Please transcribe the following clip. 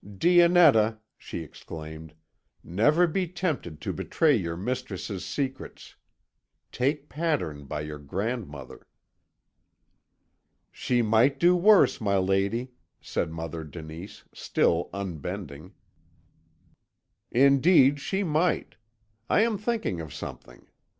"Dionetta," she exclaimed, "never be tempted to betray your mistress's secrets; take pattern by your grandmother." "She might do worse, my lady," said Mother Denise, still unbending. "Indeed she might. I am thinking of something.